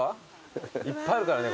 いっぱいあるからね